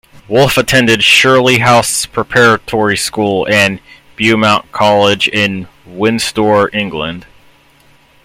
Wolff attended Shirley House Preparatory School and Beaumont College in Windsor, England.